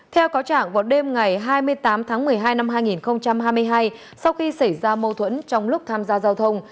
theo cáo trạng vào đêm ngày hai mươi tám tháng một mươi hai năm hai nghìn hai mươi hai sau khi xảy ra mâu thuẫn trong lúc tham gia giao thông